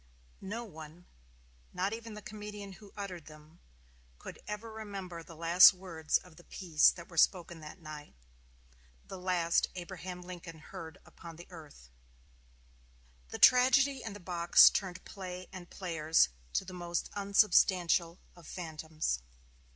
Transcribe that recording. No one, not even the comedian who uttered them, could ever remember the last words of the piece that were spoken that night the last Abraham Lincoln heard upon earth. The tragedy in the box turned play and players to the most unsubstantial of phantoms.